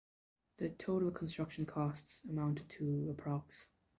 The total construction costs amounted to approx.